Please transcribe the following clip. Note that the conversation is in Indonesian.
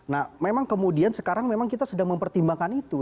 nah memang kemudian sekarang memang kita sedang mempertimbangkan itu